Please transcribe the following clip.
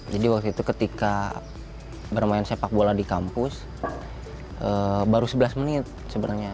jadi waktu itu ketika bermain sepak bola di kampus baru sebelas menit sebenarnya